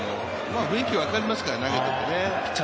雰囲気分かりますから、投げてて。